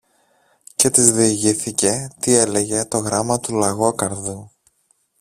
Και της διηγήθηκε τι έλεγε το γράμμα του Λαγόκαρδου